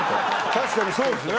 確かにそうですね。